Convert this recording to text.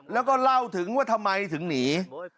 แล้วก็เล่าถึงว่าทำไมถึงหนี